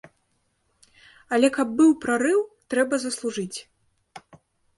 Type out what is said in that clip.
Але каб быў прарыў, трэба заслужыць.